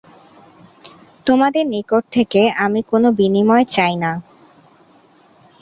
তোমাদের নিকট থেকে আমি কোন বিনিময় চাই না।